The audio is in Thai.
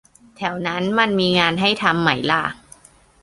แถวนั้นมันมีงานให้ทำไหมล่ะ